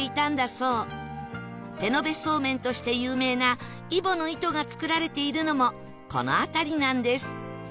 手延そうめんとして有名な揖保乃糸が作られているのもこの辺りなんです